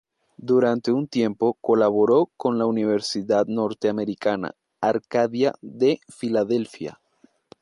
Durante un tiempo, colaboró con la Universidad norteamericana Arcadia de Filadelfia.